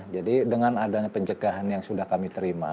jadi dengan adanya pencegahan yang sudah kami terima